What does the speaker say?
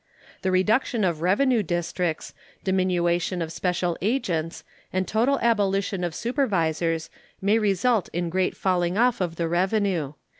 The reduction of revenue districts, diminution of special agents, and total abolition of supervisors may result in great falling off of the revenue.